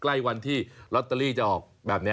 ใกล้วันที่ลอตเตอรี่จะออกแบบนี้